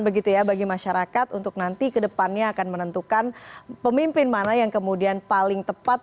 begitu ya bagi masyarakat untuk nanti kedepannya akan menentukan pemimpin mana yang kemudian paling tepat